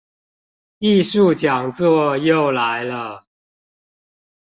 藝術講座又來了